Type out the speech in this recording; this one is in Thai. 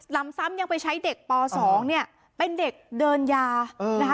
ซ้ำยังไปใช้เด็กป๒เนี่ยเป็นเด็กเดินยานะคะ